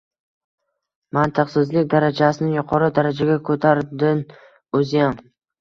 mantiqsizlik darajasini yuqori darajaga ko‘tardin o'ziyam